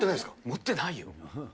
持ってないよ。